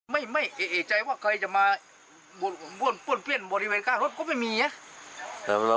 อ๋อมันขันมาหายไปแล้ว